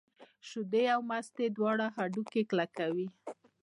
شیدې او مستې دواړه هډوکي کلک کوي.